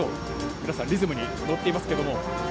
皆さん、リズムに乗っていますけれども。